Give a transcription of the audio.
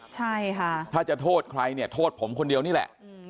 ใช่ค่ะถ้าจะโทษใครเนี่ยโทษผมคนเดียวนี่แหละ